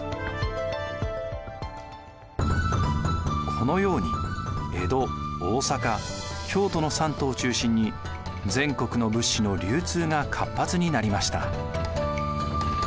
このように江戸大坂京都の三都を中心に全国の物資の流通が活発になりました。